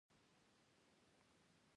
هماغسې وشول لکه ما چې وېره درلوده.